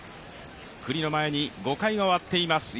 九里の前に５回が終わっています。